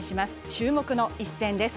注目の一戦です。